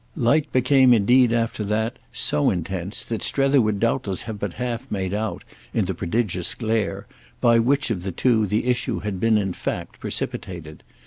Light became indeed after that so intense that Strether would doubtless have but half made out, in the prodigious glare, by which of the two the issue had been in fact precipitated.